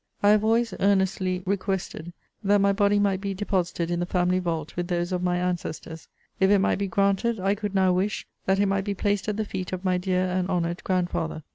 I have always earnestly requested, that my body might be deposited in the family vault with those of my ancestors. If it might be granted, I could now wish, that it might be placed at the feet of my dear and honoured grandfather.